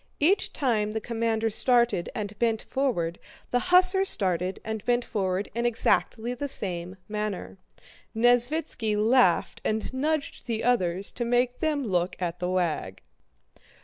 Each time the commander started and bent forward, the hussar started and bent forward in exactly the same manner. Nesvítski laughed and nudged the others to make them look at the wag.